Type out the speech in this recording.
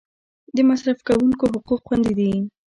د مصرف کونکو حقوق خوندي دي؟